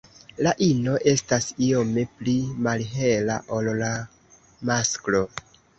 La ino estas iome pli malhela ol la masklo.